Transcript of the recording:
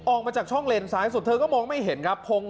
ออกมาจากช่องเลนซ้ายสุดเธอก็มองไม่เห็นครับ